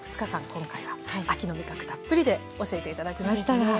今回は秋の味覚たっぷりで教えて頂きましたが。